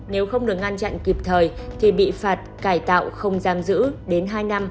nếu không được ngăn chặn kịp thời thì bị phạt cải tạo không giam giữ đến hai năm